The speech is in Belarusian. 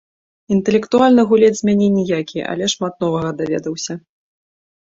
Інтэлектуальны гулец з мяне ніякі, але шмат новага даведаўся.